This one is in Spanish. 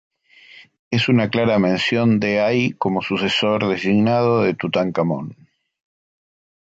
Es una clara mención de Ay como sucesor designado de Tutankamón.